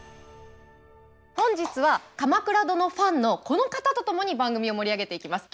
本日は「鎌倉殿」ファンのこの方と共に番組を盛り上げていきます。